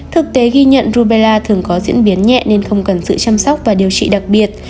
thực tế ghi nhận rubella thường có diễn biến nhẹ nên không cần sự chăm sóc và điều trị đặc biệt